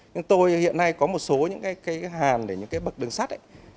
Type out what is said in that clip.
nhưng tôi hiện nay có một số những cái hàn để những cái bậc đường sắt